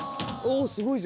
おぉすごい。